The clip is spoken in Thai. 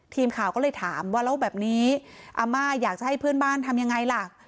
ทีมข่าวก็เลยถามว่าแล้วแบบนี้อาม่าอยากจะให้เพื่อนบ้านทำยังไงล่ะ